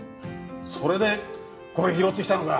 それでこれ拾ってきたのか？